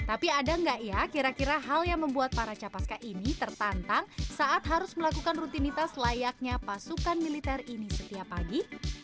tapi ada nggak ya kira kira hal yang membuat para capaska ini tertantang saat harus melakukan rutinitas layaknya pasukan militer ini setiap pagi